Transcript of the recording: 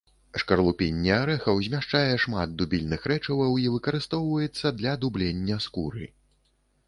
Шкарлупінне арэхаў змяшчае шмат дубільных рэчываў і выкарыстоўваецца для дублення скуры.